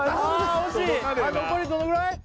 惜しい残りどのぐらい？